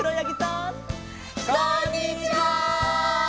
こんにちは！